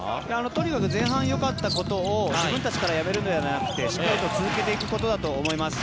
とにかく前半よかったことを自分たちからやめるのではなくてしっかり続けていくことだと思います。